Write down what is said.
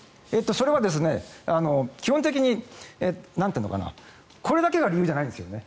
それは基本的にこれだけが理由じゃないんですよね